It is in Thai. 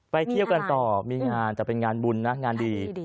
เที่ยวกันต่อมีงานแต่เป็นงานบุญนะงานดี